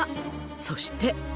そして。